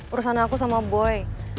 urusan aku sama boy